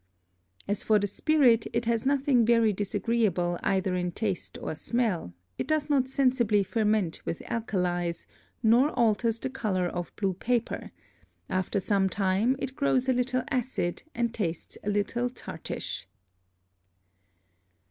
As for the Spirit, it has nothing very disagreeable either in Taste or Smell, it does not sensibly ferment with Alkalies, nor alters the Colour of blue Paper; after some time, it grows a little acid, and tastes a little tartish.